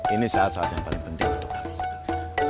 ini saat saat yang paling penting untuk kami